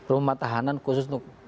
rumah tahanan khusus untuk